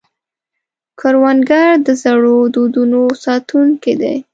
کروندګر د زړو دودونو ساتونکی دی